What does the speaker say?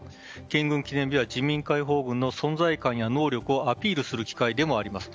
健軍記念日は人民解放軍の存在感や能力をアピールする機会になります。